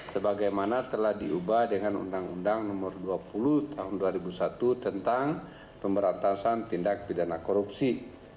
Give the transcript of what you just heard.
sebagaimana telah diubah dengan undang undang nomor dua puluh tahun dua ribu satu tentang pemberantasan tindak pidana korupsi